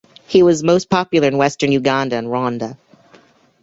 He was most popular in western Uganda and Rwanda.